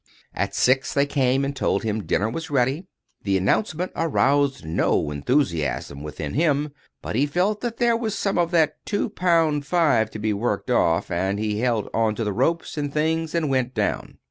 At six, they came and told him dinner was ready. The announcement aroused no enthusiasm within him, but he felt that there was some of that two pound five to be worked off, and he held on to ropes and things and went down.